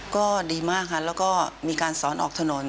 ก็ดีมากค่ะแล้วก็มีการสอนออกถนน